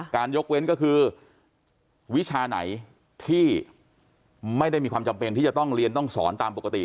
ยกเว้นก็คือวิชาไหนที่ไม่ได้มีความจำเป็นที่จะต้องเรียนต้องสอนตามปกติ